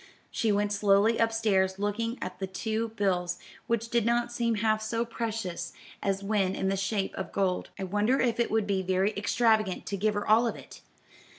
She went slowly up stairs looking at the two bills, which did not seem half so precious as when in the shape of gold. "I wonder if it would be very extravagant to give her all of it.